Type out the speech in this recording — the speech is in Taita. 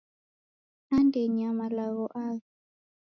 Andenyi ya malagho agha